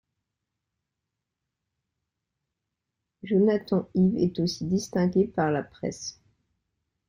Jonathan Ive est aussi distingué par la presse.